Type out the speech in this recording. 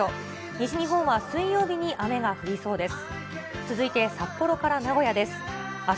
西日本は水曜日に雨が降りそうです。